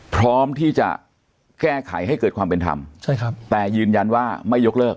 พร้อมที่จะแก้ไขให้เกิดความเป็นธรรมใช่ครับแต่ยืนยันว่าไม่ยกเลิก